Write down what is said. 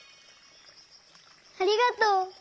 ありがとう！